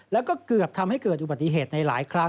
แล้วก็เกือบทำให้เกิดอุบัติเหตุในหลายครั้ง